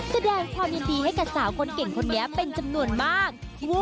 แสดงความยินดีให้กับสาวคนเก่งคนนี้เป็นจำนวนมาก